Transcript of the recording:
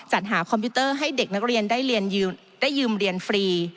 จัดหาคอมพิวเตอร์ให้เด็กนักเรียนได้ยืมเรียนฟรี